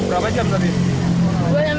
sampai liat saudarnanya